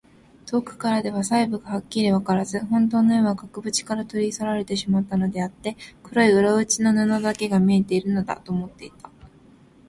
遠くからでは細部がはっきりわからず、ほんとうの絵は額ぶちから取り去られてしまったのであって、黒い裏打ちの布だけが見えているのだ、と思っていた。